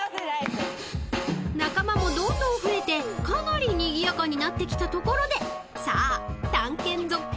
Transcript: ［仲間もどんどん増えてかなりにぎやかになってきたところでさあ］